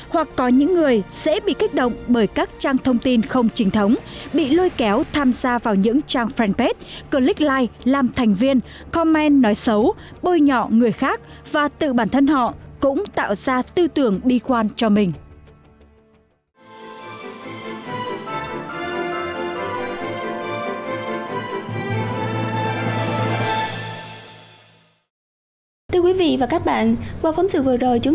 hoặc có những người sẽ bị kích động bởi các trang thông tin không trình thống bị lôi kéo tham gia vào những trang fanpage click like làm thành viên comment nói xấu bôi nhọ người khác và tự bản thân họ cũng tạo ra tư tưởng bi quan cho mình